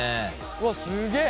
うわすげえ。